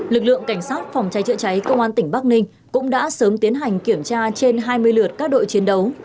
lực lượng cảnh sát phòng cháy chữa cháy công an tỉnh bắc ninh cũng đã sớm tiến hành kiểm tra trên hai mươi lượt các đội chiến đấu